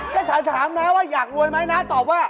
ก็ฉันถามนะว่าอยากรวยไหมนะตอบว่า